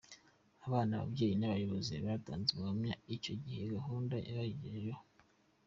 Abana, ababyeyi n'abayobozi batanze ubuhamya icyo iyi gahunda yabagejejeho.